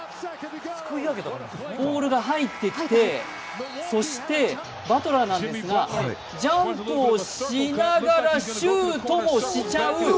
ボールが入ってきて、そしてバトラーなんですがジャンプをしながらシュートもしちゃう。